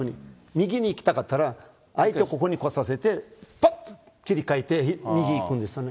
右に行きたかったら、相手、ここに来させて、切り替えて、右行くんですよね。